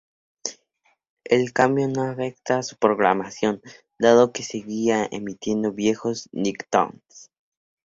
El cambio no afectó a su programación, dado que seguían emitiendo viejos nicktoons.